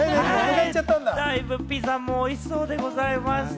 だいぶピザもおいしそうでございました。